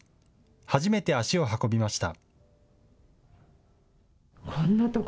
初めて足を運びました。